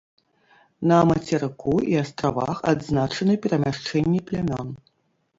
На мацерыку і астравах адзначаны перамяшчэнні плямён.